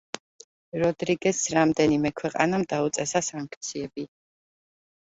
როდრიგესს რამდენიმე ქვეყანამ დაუწესა სანქციები.